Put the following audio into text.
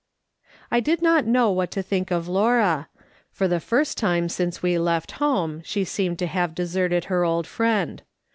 I did not know what to think of Laura ; for the first time since we left home, she seemed to have deserted her old friend.